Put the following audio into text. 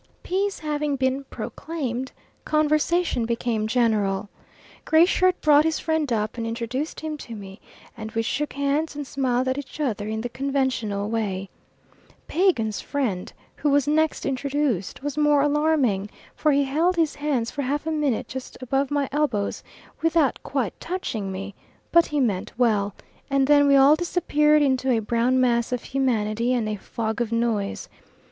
Peace having been proclaimed, conversation became general. Gray Shirt brought his friend up and introduced him to me, and we shook hands and smiled at each other in the conventional way. Pagan's friend, who was next introduced, was more alarming, for he held his hands for half a minute just above my elbows without quite touching me, but he meant well; and then we all disappeared into a brown mass of humanity and a fog of noise.